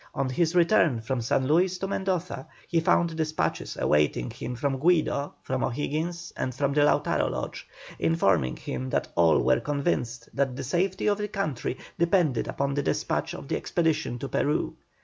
On his return from San Luis to Mendoza he found despatches awaiting him from Guido, from O'Higgins, and from the Lautaro Lodge, informing him that all were convinced that the safety of the country depended upon the despatch of the expedition to Peru.